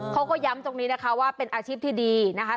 เขาก็ย้ำตรงนี้นะคะว่าเป็นอาชีพที่ดีนะคะ